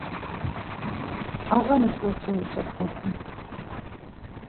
Ağani porça oç̌apasen.